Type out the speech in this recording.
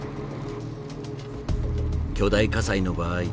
巨大火災の場合